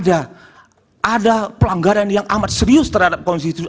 ada pelanggaran yang amat serius terhadap konstitusi